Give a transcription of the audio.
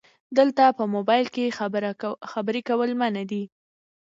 دلته په مبایل کې خبرې کول منع دي 📵